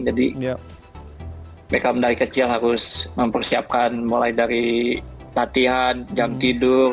jadi beckham dari kecil harus mempersiapkan mulai dari latihan jam tidur